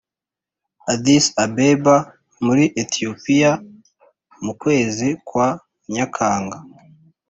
addis-abeba muri etiyopiya, mu kwezi kwa nyakanga